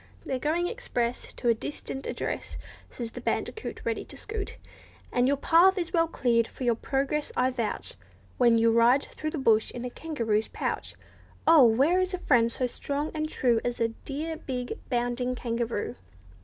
"They're going express To a distant address," Says the bandicoot, ready to scoot; And your path is well cleared for your progress, I vouch, When you ride through the bush in a kangaroo's pouch. Oh! where is a friend so strong and true As a dear big, bounding kangaroo?